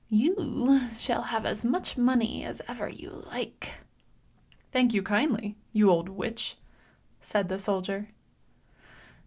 You shall have as much money as ever you like! "" Thank you kindly, you old witch! " said the soldier.